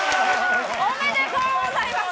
おめでとうございます！